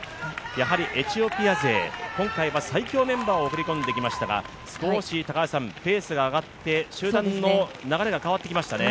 やはりエチオピア勢、今回は最強メンバーを送り込んできましたが、少しペースが上がって集団の流れが変わってきましたね。